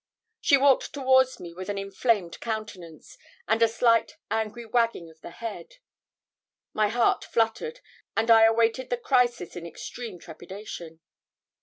She walked towards me with an inflamed countenance, and a slight angry wagging of the head; my heart fluttered, and I awaited the crisis in extreme trepidation.